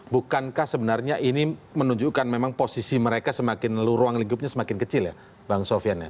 bukankah sebenarnya ini menunjukkan memang posisi mereka semakin ruang lingkupnya semakin kecil ya bang sofian ya